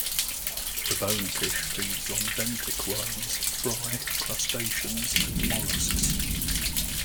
The bonefish feeds on benthic worms, fry, crustaceans, and mollusks.